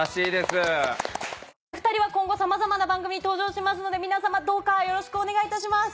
２人は今後さまざまな番組に登場しますので皆様どうかよろしくお願いいたします。